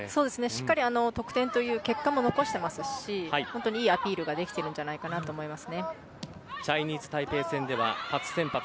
しっかり得点という結果も残していますし本当にいいアピールができているんじゃないかとチャイニーズタイペイ戦では初先発。